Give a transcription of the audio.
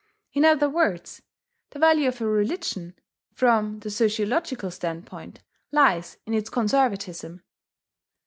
In other words, the value of a religion, from the sociological standpoint, lies in its conservatism.